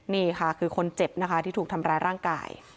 นี่ค่ะคือคนเจ็บนะคะที่ถูกทำร้ายร่างกาย